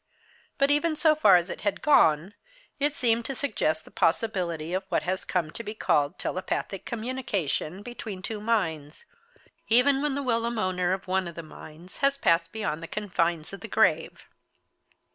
But, even so far as it had gone, it seemed to suggest the possibility of what has come to be called telepathic communication between two minds even when the whilom owner of one of the minds has passed beyond the confines of the grave.